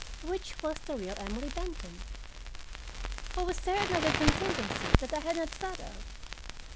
Which was the real Emily Benton? Or was there another contingency that I had not thought of?